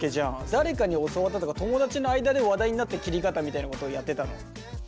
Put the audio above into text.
誰かに教わったとか友達の間で話題になった切り方みたいなことをやってたの？